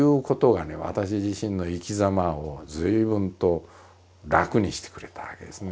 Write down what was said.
自分自身の生きざまを随分と楽にしてくれたわけですね。